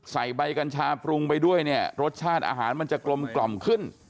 ใส่ใบกัญชาปรุงไปด้วยเนี่ยรสชาติอาหารมันจะกลมกล่อมขึ้น